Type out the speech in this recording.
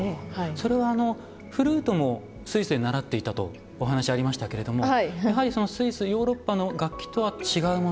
それはあのフルートもスイスで習っていたとお話ありましたけれどもやはりそのスイスヨーロッパの楽器とは違うものですか。